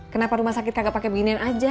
kenapa rumah sakit kagak pakai beginian aja